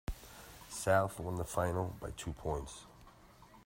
South won the final by two points.